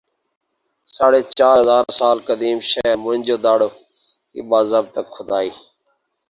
ساڑھے چار ہزار سال قدیم شہر موئن جو دڑو کی باضابطہ کھُدائی